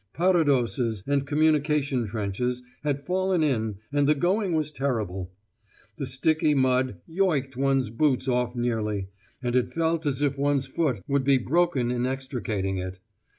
Paradoses and communication trenches had fallen in, and the going was terrible. The sticky mud yoicked one's boots off nearly, and it felt as if one's foot would be broken in extricating it.